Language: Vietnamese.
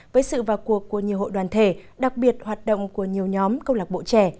với sự vào cuộc của nhiều hội đoàn thể đặc biệt hoạt động của nhiều nhóm câu lạc bộ trẻ